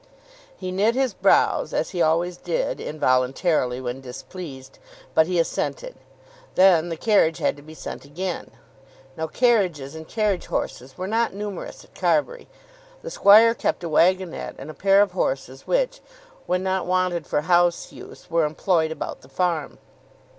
He knit his brows, as he always did, involuntarily, when displeased; but he assented. Then the carriage had to be sent again. Now carriages and carriage horses were not numerous at Carbury. The squire kept a waggonnette and a pair of horses which, when not wanted for house use, were employed about the farm.